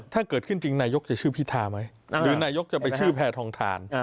ถ้าเกิดขึ้นจริงนายกภิษภาด้วยนายกจะไปชื่อแพธท